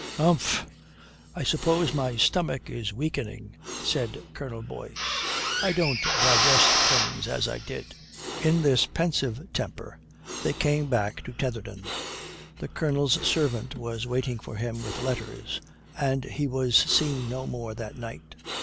"Humph, I suppose my stomach is weakening," said Colonel Boyce. "I don't digest things as I did." In this pensive temper they came back to Tetherdown. The Colonel's servant was waiting for him with letters, and he was seen no more that night.